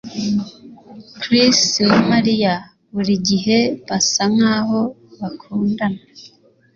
Chris na Mariya burigihe basa nkaho bakundana